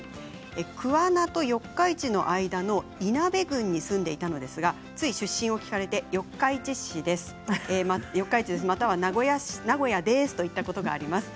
桑名と四日市の間のいなべに住んでいたのですがつい出身を聞かれて四日市市ですまたは名古屋ですと言ってしまいました。